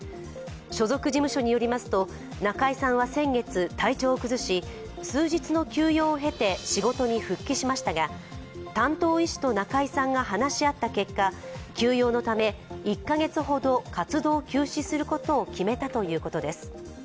所属事務所によりますと、中居さんは先月、体調を崩し、数日の休養を経て仕事に復帰しましたが、担当医師と中居さんが話し合った結果、休養のため１か月ほど活動休止することを決めたということです。